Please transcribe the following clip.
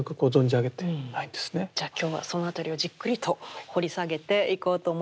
じゃあ今日はそのあたりをじっくりと掘り下げていこうと思います。